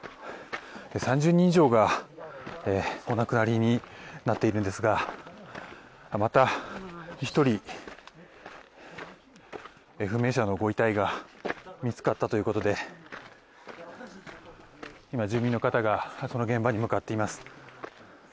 ３０人以上がお亡くなりになっているんですがまた１人、不明者のご遺体が見つかったということで今、住民の方がその現場に向かっています。